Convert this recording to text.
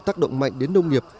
tác động mạnh đến nông nghiệp